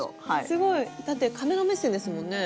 すごい！だってカメラ目線ですもんね。